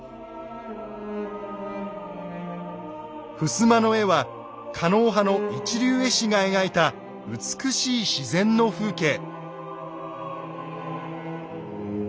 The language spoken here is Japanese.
ふすまの絵は狩野派の一流絵師が描いた美しい自然の風景。